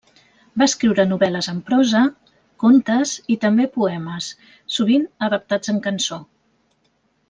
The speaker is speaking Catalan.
Va escriure novel·les en prosa, contes i també poemes, sovint adaptats en cançó.